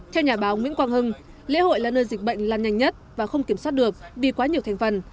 theo nhà báo nguyễn quang hưng lễ hội là nơi dịch bệnh lan nhanh nhất và không kiểm soát được vì quá nhiều thành phần